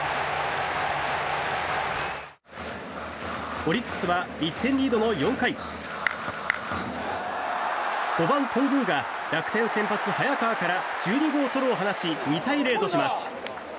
オリックスは１点リードの４回５番、頓宮が楽天先発、早川から１２号ソロを放ち２対０とします。